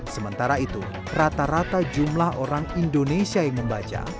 sementara itu rata rata jumlah orang indonesia yang membaca